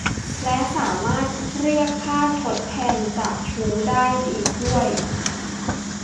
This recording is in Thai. และสามารถเรียกค่าทดแทนจากชู้ได้อีกด้วย